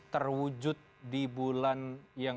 terwujud di bulan yang